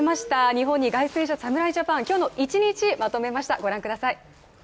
日本に凱旋した侍ジャパン、今日の一日、まとめました。